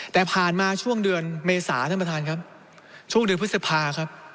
แต่ผ่านมาช่วงเดือนเมษาท่านประธานครับช่วงเดือนพฤษภาครับ